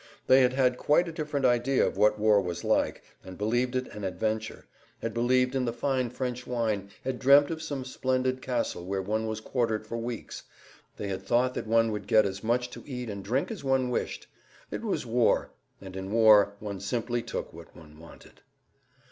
They had had quite a different idea of what war was like, and believed it an adventure, had believed in the fine French wine, had dreamt of some splendid castle where one was quartered for weeks; they had thought that one would get as much to eat and drink as one wished. It was war, and in war one simply took what one wanted.